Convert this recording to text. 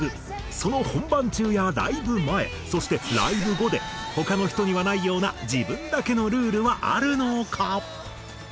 その本番中やライブ前そしてライブ後で他の人にはないような自分だけのルールはあるのか？